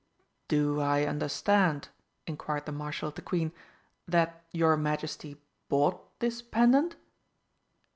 "Do I understand," inquired the Marshal of the Queen, "that your Majesty bought this pendant?"